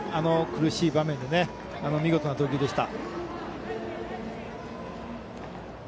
苦しい場面で見事な投球でした。